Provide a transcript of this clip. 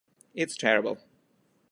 It's terrible.